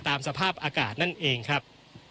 ตามสภาพอากาศนั่นเองครับ